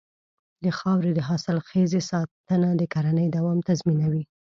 د خاورې د حاصلخېزۍ ساتنه د کرنې دوام تضمینوي.